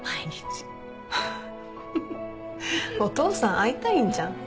フッお父さん会いたいんじゃん。